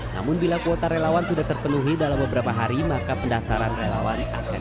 namun bila kuota relawan sudah terpenuhi dalam beberapa hari maka pendaftaran relawan akan